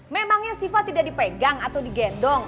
memangnya sifat tidak dipegang atau digendong